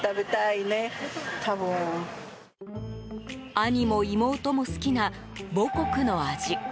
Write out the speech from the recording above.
兄も妹も好きな母国の味。